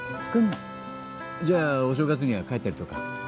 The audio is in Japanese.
群馬じゃあお正月には帰ったりとか？